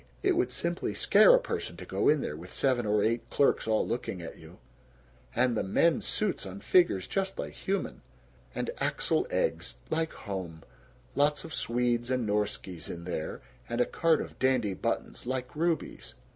it would simply scare a person to go in there, with seven or eight clerks all looking at you. And the men's suits, on figures just like human. And Axel Egge's, like home, lots of Swedes and Norskes in there, and a card of dandy buttons, like rubies.